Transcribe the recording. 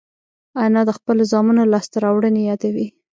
انا د خپلو زامنو لاسته راوړنې یادوي